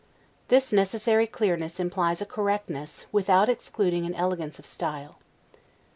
This necessary clearness implies a correctness, without excluding an elegance of style.